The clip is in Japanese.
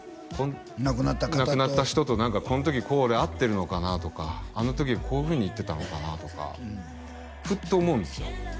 亡くなった方と亡くなった人と何かこの時こうであってるのかなとかあの時こういうふうに言ってたのかなとかふっと思うんですよ